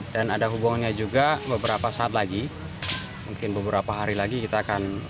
dan ada hubungannya juga beberapa saat lagi mungkin beberapa hari lagi kita akan